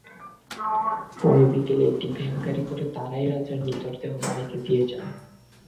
পরে বিকেলে একটি ভ্যানগাড়িতে করে তাঁরাই রাজার নিথর দেহ বাড়িতে দিয়ে যান।